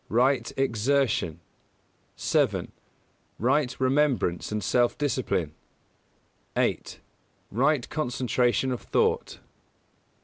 Right Exertion; 7. Right Remembrance and Self discipline; 8. Right Concentration of Thought.